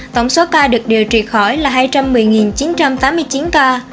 tổng số ca được điều trị khỏi là hai trăm một mươi chín trăm tám mươi chín ca